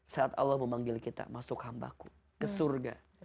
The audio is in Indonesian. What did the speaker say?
saat allah memanggil kita masuk hambaku ke surga